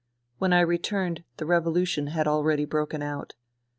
When I returned the revolution had already broken out.